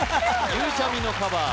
ゆうちゃみのカバー